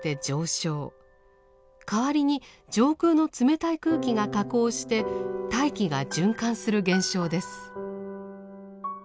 かわりに上空の冷たい空気が下降して大気が循環する現象です。